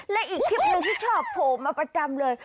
และอีกคลิปหนึ่งที่ชอบโผล่มาประจำเลย